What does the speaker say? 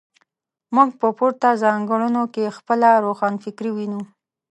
موږ په پورته ځانګړنو کې خپله روښانفکري وینو.